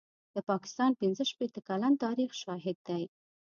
د پاکستان پنځه شپېته کلن تاریخ شاهد دی.